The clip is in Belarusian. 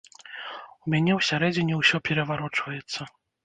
У мяне ўсярэдзіне ўсё пераварочваецца.